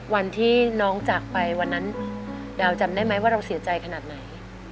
วันที่น้องจากไปวันนั้นดาวจำได้ไหมว่าเราเสียใจขนาดไหน